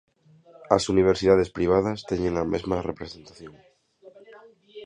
As universidades privadas teñen a mesma representación.